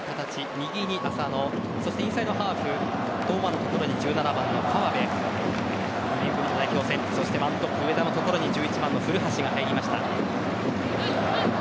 右に浅野インサイドハーフ堂安のところに１７番の川辺１トップ、上田のところに１１番の古橋が入りました。